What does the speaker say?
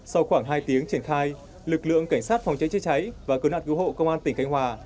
sau khoảng hai tiếng triển khai lực lượng cảnh sát phòng cháy chế cháy và cứu nạn cứu hộ công an tỉnh khánh hòa